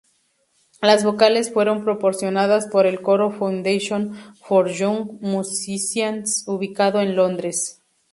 Las vocales fueron proporcionadas por el coro Foundation for Young Musicians, ubicado en Londres.